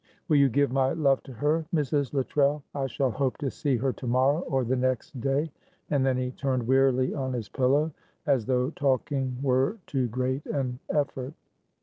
Will you give my love to her, Mrs. Luttrell? I shall hope to see her to morrow or the next day," and then he turned wearily on his pillow, as though talking were too great an effort.